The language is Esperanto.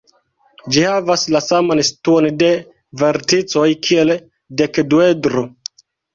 Ĝi havas la saman situon de verticoj kiel dekduedro.